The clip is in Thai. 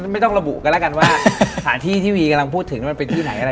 ไม่ต้องระบุกันแล้วกันว่าสถานที่ที่วีกำลังพูดถึงมันเป็นที่ไหนอะไร